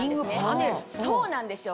そうなんですよ。